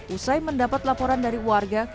usai mendapat laporan dari warga